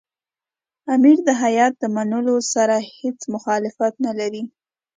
امیر د هیات د منلو سره هېڅ مخالفت نه لري.